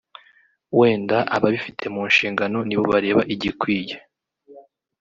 wenda ababifite mu nshingangano ni bo bareba igikwiye